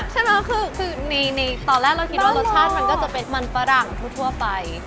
ใช่ไหมคือในตอนแรกเราคิดว่ารสชาติมันก็จะเป็นมันฝรั่งทั่วไป